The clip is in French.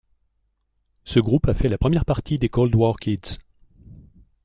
Ce groupe a fait la première partie des Cold War Kids.